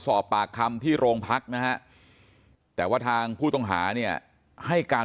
สอบปากคำที่โรงพักนะฮะแต่ว่าทางผู้ต้องหาเนี่ยให้การ